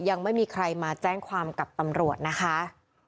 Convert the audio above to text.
ยังไม่มีใครมาแจ้งความกับตำรวจนะคะ